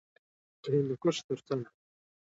د هندوکش تر څنډو